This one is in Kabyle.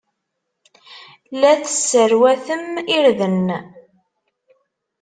La tesserwatem irden.